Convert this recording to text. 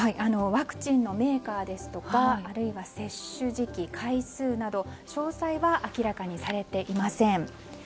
ワクチンのメーカーですとかあるいは接種時期回数など詳細は明らかにされていません。